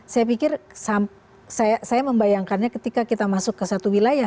saya pikir saya membayangkannya ketika kita masuk ke satu wilayah